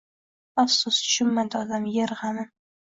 Afsus, tushunmadi odam Yer g’amin